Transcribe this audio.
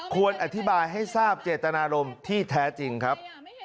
ควรอธิบายให้ทราบเจตนารมณ์ที่แท้จริงครับ